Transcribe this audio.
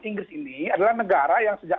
inggris ini adalah negara yang sejak